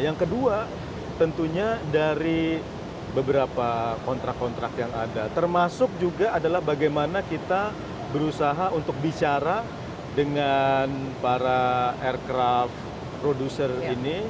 yang kedua tentunya dari beberapa kontrak kontrak yang ada termasuk juga adalah bagaimana kita berusaha untuk bicara dengan para aircraft producer ini